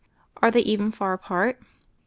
Are they even far apart ?